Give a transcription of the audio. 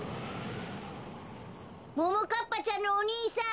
・ももかっぱちゃんのお兄さん！